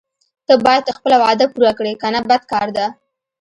ته باید خپله وعده پوره کړې کنه بد کار ده.